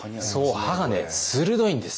そう歯がね鋭いんですよ。